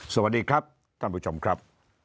สวัสดีครับท่านผู้ชมครับ